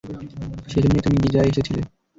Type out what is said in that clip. সেজন্যই তুমি গিজায় এসেছিলে।